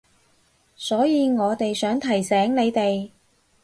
所以我哋想提醒你哋